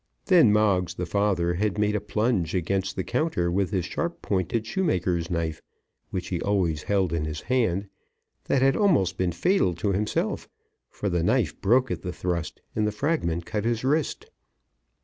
Then Moggs the father had made a plunge against the counter with his sharp pointed shoemaker's knife, which he always held in his hand, that had almost been fatal to himself; for the knife broke at the thrust, and the fragment cut his wrist.